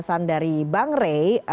penjelasan dari bang rey